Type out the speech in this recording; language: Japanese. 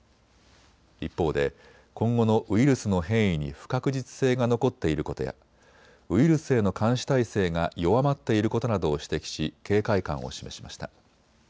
一方で今後のウイルスの変異に不確実性が残っていることやウイルスへの監視体制が弱まっていることなどを指摘し警戒感を示しました。